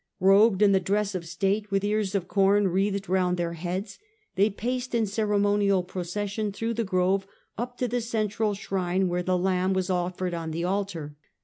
Robed in the dress of state, with ears of corn wreathed round their heads, they paced in ceremanial procession through the grove up to the central shrine where the lamb was offered on the altar.